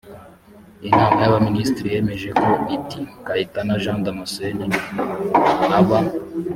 inama y abaminisitiri yemeje ko lt kayitana jean damasc ne aba